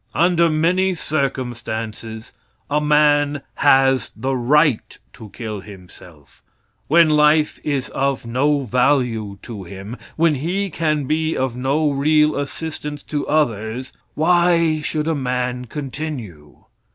Under many circumstances a man has the right to kill himself. When life is of no value to him, when he can be of no real assistance to others, why should a man continue?